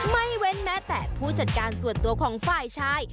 ไม่เว้นแม้แต่ผู้จัดการส่วนตัวของฝ่ายชาย